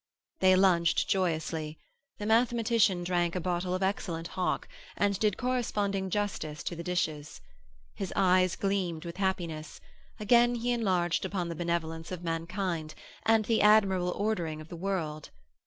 They lunched joyously. The mathematician drank a bottle of excellent hock, and did corresponding justice to the dishes. His eyes gleamed with happiness; again he enlarged upon the benevolence of mankind, and the admirable ordering of the world.